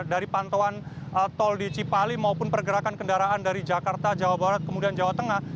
dari pantauan tol di cipali maupun pergerakan kendaraan dari jakarta jawa barat kemudian jawa tengah